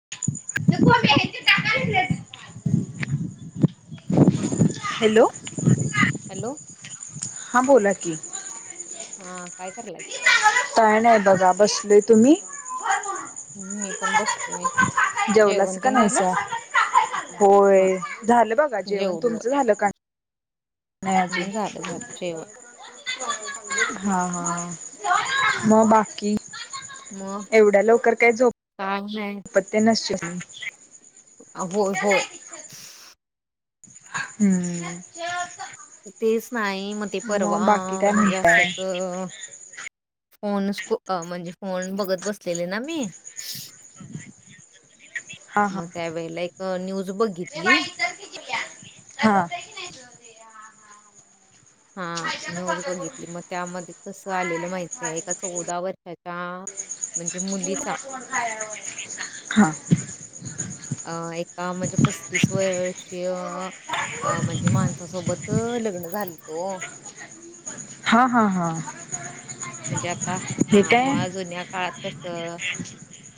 [inaudible] Hello hello [unintelligible] हां बोला की, हा काय करायला, बसले तुम्ही, हम्म मी पण बसलोय जेवलाच का नाही सा हा होय झालं बघा जेवण जेवलो तुमचं झालं का नाही अजून हम्म झालं झालं जेवण [unintelligible] हा हा म बाकी मग एवढ्या लवकर काय काय नाही झोप [inaudible] हा [unintelligible] होय होय [unintelligible] हम्म तेच नाही मग ते परवा मग बाकी काय म्हणजे असंच म्हणताय [unintelligible] फोन म्हणजे फोन बघत बसलेले ना मी, हा हा मग त्या वेळला एक अ न्यूज - ज बघितली हा हा हा न्यूज बघितली मग त्यामध्ये कसं आलेलं माहित आहे एका चौदा वर्षाच्या म्हन [inaudible] हा अ एका म्हणजे पस्तीस वर्षीय अ म्हणजे माणसासोबत लग्न झालं तो ओ हा हा हा म्हणजे आता हे हा काय मग जुन्या काळात कस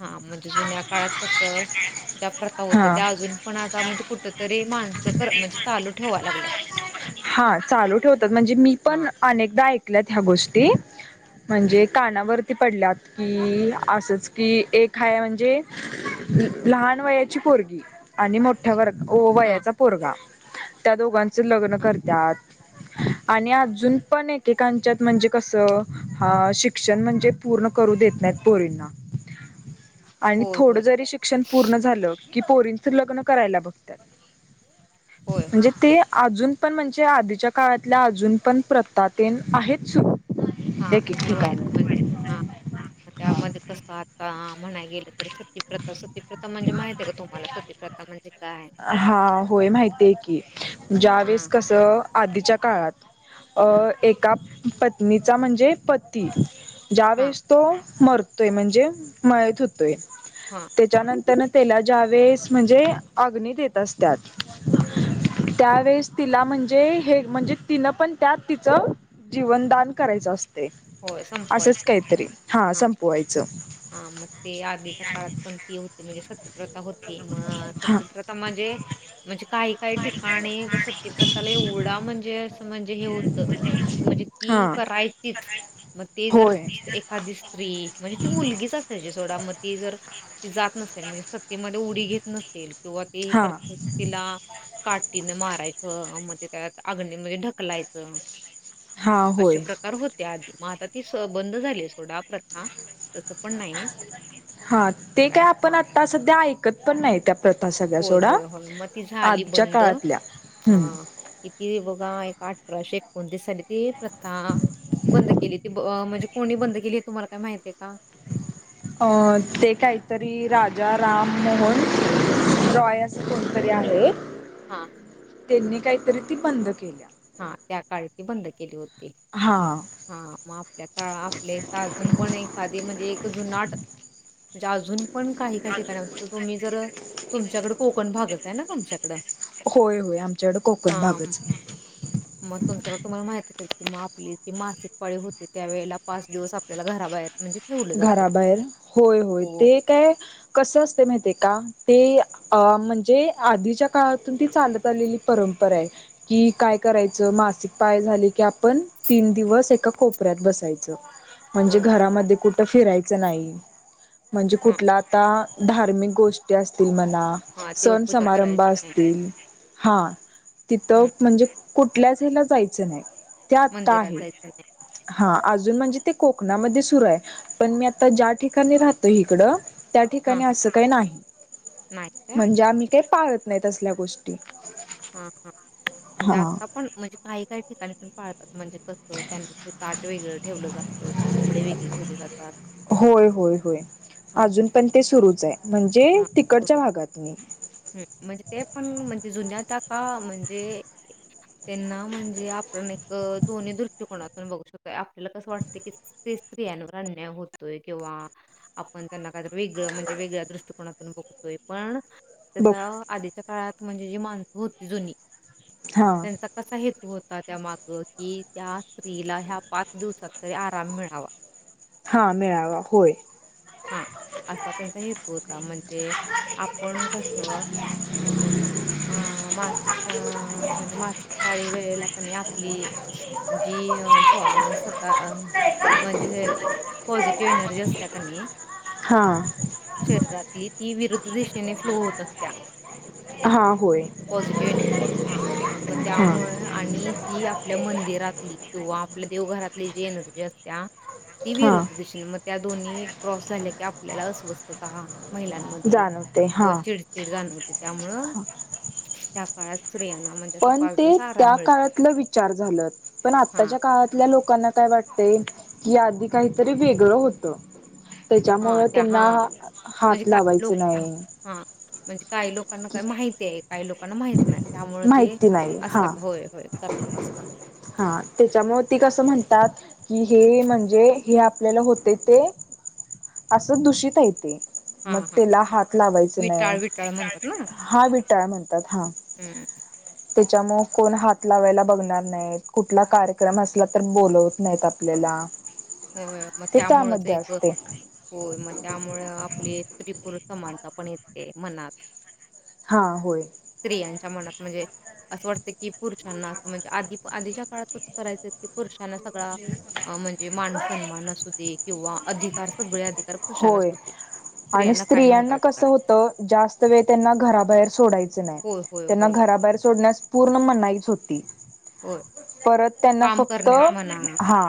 हा म्हणजे जुन्या काळात कसं प्रथा होत्या हा त्या अजून पण - कुठ तरी माणसं खर म्हणजे चालू ठेवा लागल्यात हा चालू ठेवतात म्हणजे मी पण हां, अनेकदा ऐक ल्यात ह्या गोष्टी म्हणजे कानावरती पडल्यात की असच कि एक ह म्हणजे लहान वयाची पोरगी आणि मोठ्या व या - हां, वयाचा पोरगा त्या दोघांच लग्न हां. कर - त्यात आणि अजून पण एकेकांच्यात म्हणजे कसं ह शिक्षण म्हणजे पूर्ण करू देत नाहीत पोरींना आणि होय, थोडं होय. जरी शिक्षण पूर्ण झालं कि पोरींचं लग्न करायला बघत्यात होय, होय. म्हणजे ते अजून पण म्हणजे आधीच्या काळातल्या अजून पण प्रतातेन आहेत सुरू हा एक एक सुरू आहेत ठिकाणी म्हण हा त्यामध्ये कस - [unintelligible] म्हणायला गेल तर सतीप्रथा सतीप्रथा म्हणजे माहित आहे का तुमला सतीप्रथा म्हणजे का हा होय माहिती आहे की ज्या वेळेस हां, कसं आधीच्या काळात अ हां, एका - पत्नीचा म्हणजे पती हां, ज्यावेेळेस तो मर - तोय म्हणजे मयत होतोय हां, तेच्यानंत - तेनं त्याला जावेस म्हणजे अग्नी देत असत्यात हम त्यावेेळेस तिला म्हणजे हे म्हणजे तिनं पण त्यात तिचं जीवनदान करायचं अस - तय होय, असंच संपवायचं. काहीतरी हा संपवायचं हा मग ते आधीच्या काळात पणती होते. [unintelligible] प्रथा होती मग हा सत्यप्रथा म्हणजे म्हणजे काही काही ठिकाणी सत्यप्रथाला एवढा म्हणजे म्हणजे हा ती करायचीच म ते जर होय एखादी स्री म्हणजे सोडा म ती जर ती जात नसेल म्हणजे सत्तेमध्ये उडी घेत नसेल सुव ती ह हा करते तिला काटीन. मारायचं मगज त्यात अगणी म्हणजे ढकलायचं हा अशे होय प्रकार होते आधी मग आता ती स बंद झाली सोडा प्रथा [inaudible] पण नाहीये, हा ते काय आपण हा, आता सध्या ऐकत पण नाही त्या प्रथा सगळ्या होय सोडा होय होय म ती झाली आजच्या बंद, काळातल्या हम्म हा कितीला बघा ती एक अठराशे एकोणतीस प्रथा बंद केली म्हणजे कोणी बंद केली तुम्हाला काय माहितीये का आ अ ते काहीतरी राजा राम मोहन रॉय असं कोणतरी आहे. हा त्यांनी काहीतरी ते बंद केली. हा त्या काळची बंद केली होती. हा मग हा मग आपल्या काळ आपले तर अजून पण एखादी म्हणजे एक जुनाट म्हणजे अजून पण काही काही ठिकाण तुम्ही जर तुमच्याकड कोकण भागत आहे ना तुमच्याकड होय होय आमच्याकडे कोकण हा. भागच मग तुमच्याकडे तुम्हाला माहिती किंवा आपली जी मासिक पाळी होते त्या वेळेला पाच दिवस आपल्याला घराबाहेर म्हणजे ठेवलं जातं. घराबाहेर होय होय हो. ते काय कस असते माहितय का? ते म्हणजे आधीच्या काळातून ती चालत आलेली परंपरा आहे की काय करायचं मासिक पाळी पाय झाले की आपण तीन दिवस एका कोपऱ्यात बसायचं. म्हणजे होय. घरामध्ये कुठ तर फिरायचं नाही. म्हणजे हां कुठला आता? धार्मिक गोष्टी असतील म्हण हां सण देवपूजा समारंभ करायची नाही. असतील हा तिथ हं म्हणजे कुठल्याच हेला जायचं नाही. त्या आता मंदिरात आहे जायचं नाही. हा अजून म्हणजे ते कोकणामध्ये सुरू आहे. पण मी आता ज्या ठिकाणी राहतो इकडं त्या हां ठिकाणी हां असं काही नाही नाही काय? म्हणजे आम्ही का पाहत नाही तसल्या गोष्टी हा हा म्हणजे हा आता पण म्हणजे काही काही ठिकाणी पण पाळतात म्हणजे कसं त्यांचं ताट वगरं ठेवलं जातं कपडे वगरे ठेवले जातात होय होय होय हां अजून पण ते सुरूच आहे म्हणजे हां तिकडच्या बरोबर. भागात म हं म्हणजे ते जुूनजात का म्हणजे त्यांना म्हणजे आपण एक दोन्ही दृष्टकोनातून बघू शकतोय आपल्याला कसं वाटत कि ते स्त्रियांवर अन्याय होतोय किंवा आपण त्यांना काहीत वेगळ म्हणजे वेगळ्या दृष्टिकोनातून बघतोय पण बघ त्यास आधीच्या काळात म्हणजे जे माण [inaudible] होती जुनी हा [inaudible] त्यांचा कसा हेतू होत [inaudible] त्या माग कि त्या स्त्रीला ह्या पाच दिवसात तरी आराम मिळावा [inaudible] हा मिळावा होय [inaudible] हा असा त्यांचा हेतू होता म्हणजे आपण कस अ मासिक म्हणजे मासिक पाळी वेळेला कनाय आपली जी अ स्वतः म्हणजे [inaudible] पॉझिटिव्ह एनर्जी असत कानाई [inaudible] हा शरीरातली ती विरुद्ध [inaudible] दिशेने फ्लो होत असत्या हा होय पझिटिव एनर्जी हा मग हा त्यामुळे आणि जी आपल्या मंदिरातली किं आपल्या [inaudible] व घरातली जे न जे असत [inaudible] ती हा विरुद्ध दिशेने म [inaudible] दोन्ही क्रॉस झालं की आपल्याला अस्वस्थता [inaudible] महिलांमध्ये जाणवते हा किंवा चिडचिड जाणवते [inaudible] त्यामुळं [inaudible] त्याकाळात [inaudible] पण ते त्या काळातलं विचार झालं पण हां, आत्ताच्या काळातल्या लोकांना काय वाटते- कि आधी काहीतरी वेगळं होत- हां. त्याच्यामुं त्या त्यांना हां. म्हणजे हात का लावायच लोक नाही- हां. म्हणजे काही लोकांना काही माहिती आहे काही लोकांना माहित नाही त्यामुळे ते माहिती नाही हा असतात होय होय करतात असतात- कि हे म्हणजे हे आपल्याला होते ते असं दूषित हाय येते- हां, मग हां. त्याला हात लावायच नाही- विटाळ, विटाळ म्हणतात ना? हा विठाळ म्हणतात हा- हं. त्याच्यामुळे कोण हात लावायला बघणार नाहीत कुठला कार्यक्रम असला तर बोलवत नाहीत आपल्याला- होय मग ते त्यामुळेच त्यामध्ये एक असते होय, मग त्यामुळे आपली स्त्री पुरुष समानता पण येते मनात हा होय स्त्रियांच्या मनात म्हणजे? असं वाटतं की पुरुषांना अस म्हणजे आधी आधीच्या काळात कसं करायचं की पुरुषांना म्हणजे मान सन्मानस हो दे किंवा अधिकार सगळे अधिकार पुरुषांनाच होय होते आणि स्त्रियांना काय नव्हता स्त्रियांना अधिकार. कसं होतं जास्त वेळ त्यांना घराबाहेर सोडायचं होय, होय. त्यांना बरोबर. घराबाहेर सोड पूर्ण मनाईच होती. ते होय. परत त्यांना काम फक्त करण्यास म्हणा हा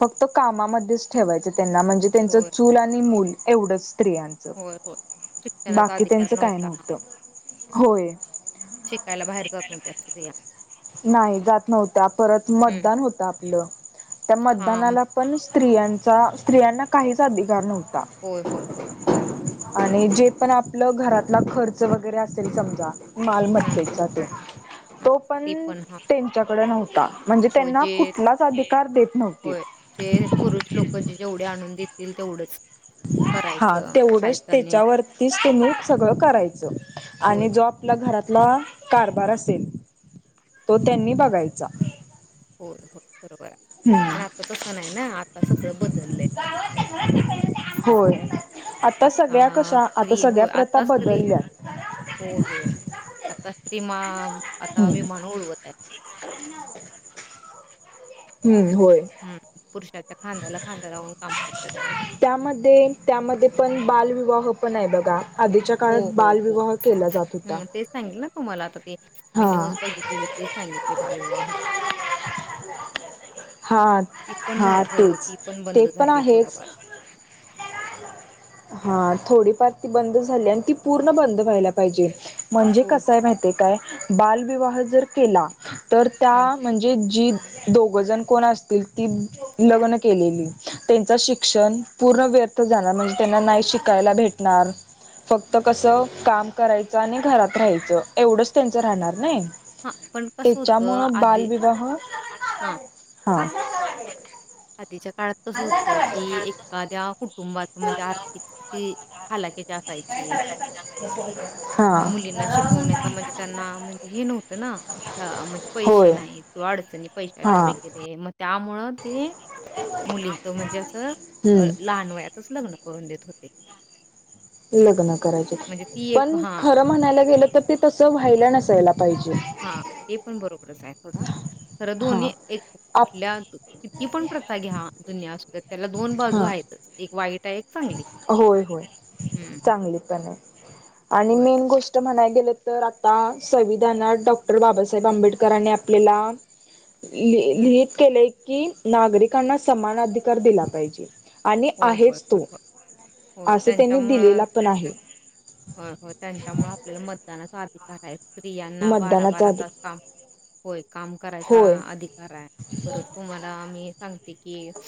फक्त कामामध्ये ठेवायचें त्यांना म्हणजे त्यांच होय चूल आणि मूल एवढंच स्त्रियांच होय होय शिक्षणाचा बाकी अधिकार त्यांच काय नव्हता नव्हत होय. शिकायला बाहेर जात नव्हत्या स्रिया नाही जात नव्हत्या परत हम्म मतदान होत आपलं त्या हा म- मतदानाला पण स्त्रियांचा स्त्रियांना काहीच अधिकार नव्हता. होय होय होय. आणि जे पण आपलं घरातला खर्च वगैरे असेल समजा हा मालमत्तेचा ते हा तो ते पण हा त्यांच्या कडे नव्हता. म्हणजे हो त्यांना जे कुठलाच अधिकार देत नव्हती. हो जे पुरुष लोक जे जेवढे आणून देत तेवढंच हा करायचं तेवढच खायचं आणि त्याच्यावरतीच त्यांनी सगळं करायचं होय आणि जो आपल्या घरात कारभार असेल तो त्यांनी बघायचा. हो हो बरोबर. पण हम्म आता तस नाही ना, आता सगळं बदललंय. होय. आता सगळ्या कशा, आता स्त्री सगळ्या होय प्रथा आता स्त्री बदलल्या. कतिमा [unintelligible] आता विही हम्म. माणू उडवत आहे [unintelligible] हम्म. होय. हम्म पुरुष त्यामध्ये त्यामध्ये पण बाल व हो पण आहे बघा. आधीच्या हो काळात हो बालविवाह केला जात होता. तु मला तर ते मी हा न्यूज बघितलेली तीच सांगितली बालविवाहात हा ती पण झा हा हो तेच ती पण ते बंद झाली आहेच थोडाफार हा थोडीफार ती बंद झाली आणि ती पूर्ण बंद व्हायला पाहिजे. म्हणजे होय, होय. कसय माहिती काय बालविवाह जर केला. तर त्या हं. म्हणजे जी दो गजन कोण असतील ती लग्न केलेली त्यांचं शिक्षण पूर्ण व्यर्थ जाणार म्हणजे त्यांना नाही शिकायला भेटणार फक्त कसं काम करायचं आणि घरात राहायचं एवढंच त्यांचं राहणार नाही. हा पण कसं होतं त्याच्यामुळं आधी बालविवाह हा हा अध च काळात कसं होतं की एखाद्या कुटुंबात म्हणजे आर्थिक स्ि हालाक्याची असायची हा मुलींना शिकवण्याचा म्हणजे त्यांना म्हणजे हे नव्हतं ना म्हणजे पैसे होय नाही किंवा अडचणी हा पैशाच्या वगैरे मग त्यामुळं ते मुलींचं म्हणजे असं हम्म लहान वयातच लग्न करून देत होते. लग्न कराय म्हणजे ती एक पण हां. खर म्हणायला गेलं तर ते तस व्हायलं नायला पाहिजे. हा ते पण बरोबरच आहे थोडा ख हा दोन्ही एक आप कुठल्या किती पण प्रथा घ्या जुनिया त्याला दोन बाजू हा आहेतच एक वाईट आहे, एक चांगली. होय होय हं, हं. चांगली पण आहे. ह आणि होय. मेन गोष्ट म्हणायली. गेलं तर आता संविधानात डॉक्टर बाबासाहेब आंबेडकरने आपल्याला ल हं. लिित केले. कि नागरिकांना समान अधिकार दिला पाहिजे. आणि होय, होय, आहेच. होय, होय. असं त्यांनी दिलेला पण आहे हो हो त्यांच्यामुळे आपल्याला मतदाना साधिक आहे स्त्रियांना बारा मतदानाचा बारा अधिक तास काम होय काम करायचा होय अधिकार आहे परत तुम्हाला मी सांग क क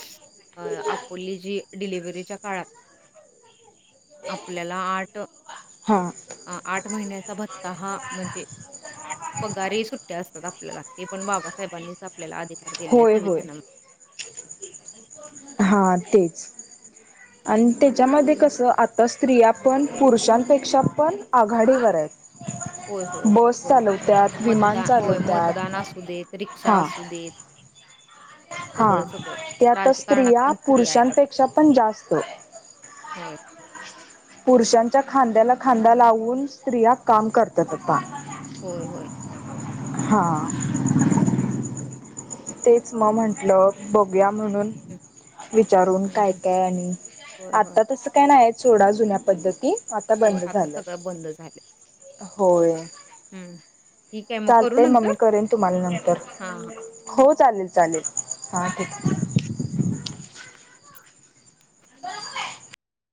अ आप पोली जी डिलिवरीच्या काळात अपल्याला आठ हा अ आठ महिन्याचा भ ता ह म्हणजे पगारी सुट्टया असतात. लागते पण बाबासाहेबांनीच आपल्याला आधि कार दिलाय होय होय संविधानाम हा तेच आणि तेच्यामध्ये कसं आ तर स्त्रिया पण पुरुषांपेक्षा पण आघाडीवर आहेत. होय होय होय बस बरोबर चालवत्यात विमान मतदान होय चालवत्यात मतदान असू देत रिक्षा हा असू देत हा सगळं, सगळं. त्या आता राजकारणात स्त्रिया पण आहेत आता. पुरुषांपेक्षा पण जास्त होय, पुरुषां च्या खांद्याला खांदा लावून स्त्रिया काम करतात आता. होय होय. हा. हं, तेच म म्हंटलं बघुया म्हणून विचारून हं, काय हं. काय आणि होय, होय, आता तस काय नाही सोडा जुन्या पद्धती आता होय. बंद झालय सगळं बंद झालंय. होय. हं. ठीक आहे करू चालते मग मी नंतर? करेन तुम्हाला नंतर हां, हां. हो चालेल. चालेल हां ठीक. [inaudible]